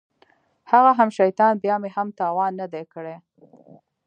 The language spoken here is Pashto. هغه هم شيطان بيا مې هم تاوان نه دى کړى.